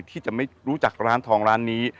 ที่จะไม่รู้จักร้านทองร้านนี้